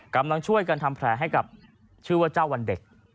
กำลังช่วยกันทำแผลให้กับชื่อว่าเจ้าวันเด็ก